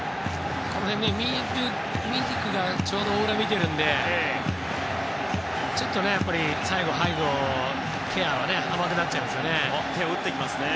ミリクが大裏を見ているのでちょっと最後、背後ケアは甘くなっちゃいますね。